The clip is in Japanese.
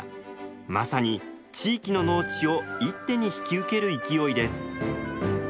まさに地域の農地を一手に引き受ける勢いです。